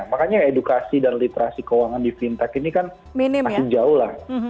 makanya edukasi dan literasi keuangan di fintech ini kan masih jauh lah